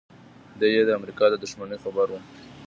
دی یې د امریکا له دښمنۍ خبر و